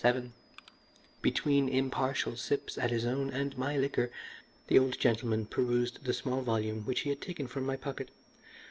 VII Between impartial sips at his own and my liquor the old gentleman perused the small volume which he had taken from my pocket.